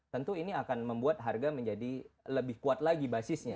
tentu ini akan membuat harga menjadi lebih kuat lagi basisnya